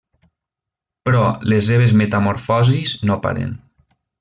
Però les seves metamorfosis no paren.